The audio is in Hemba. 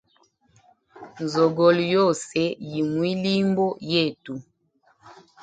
Nzogolo yose yi mwilimbo yetu.